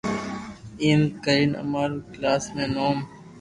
ايم ڪرين ڪرين امارو ڪلاس مي نوم